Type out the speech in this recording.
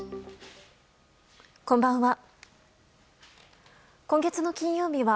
こんばんは。